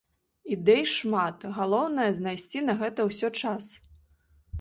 Ідэй шмат, галоўнае знайсці на гэта ўсё час.